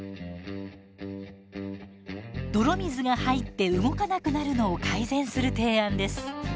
泥水が入って動かなくなるのを改善する提案です。